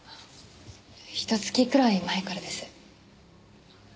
ひと月くらい前からです。